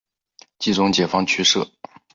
冀中解放区设。